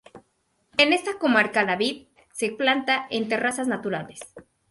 En esta comarca la vid se planta en terrazas naturales.